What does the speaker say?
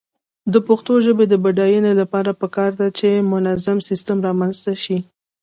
د پښتو ژبې د بډاینې لپاره پکار ده چې منظم سیسټم رامنځته شي.